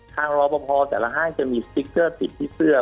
ข้างรอบพอแต่ละห้างจะมีสติกเตอร์ติดที่เสื้อ